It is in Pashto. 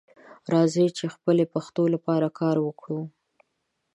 راځئ چې خپلې پښتو لپاره کار وکړو